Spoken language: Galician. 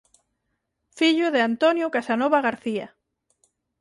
Fillo de Antonio Casanova García.